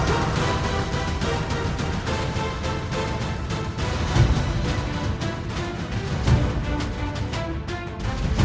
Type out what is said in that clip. alhamdulillah hirup dia lah